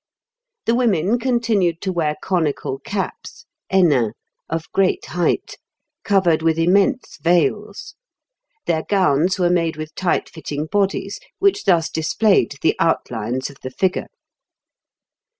The women continued to wear conical caps (hennins) of great height, covered with immense veils; their gowns were made with tight fitting bodies, which thus displayed the outlines of the figure (Figs.